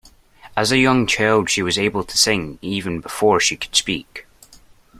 As a young child she was able to sing even before she could speak